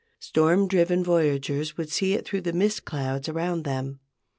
Storm driven voyagers would see it through the mist clouds around them.